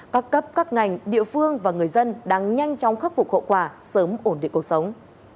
các cấp các ngành địa phương và người dân đang nhanh chóng khắc phục hậu quả sớm ổn định cuộc sống